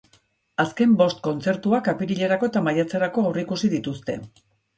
Azken bost kontzertuak apirilerako eta maiatzerako aurreikusi dituzte.